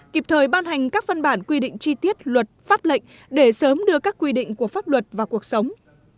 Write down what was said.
kịp thời ban hành các văn bản quy định chi tiết luật pháp lệnh để sớm đưa các quy định của pháp luật vào cuộc sống